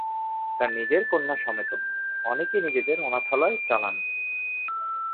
তার নিজের কন্যা সমেত অনেকে নিজেদের অনাথালয় চালান।